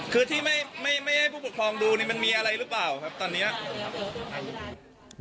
คือที่ไม่ไม่ให้ผู้ปกครองดูนี่มันมีอะไรหรือเปล่าครับตอนนี้